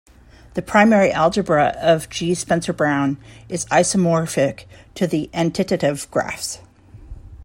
The primary algebra of G. Spencer-Brown is isomorphic to the entitative graphs.